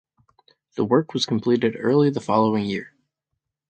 The work was completed early the following year.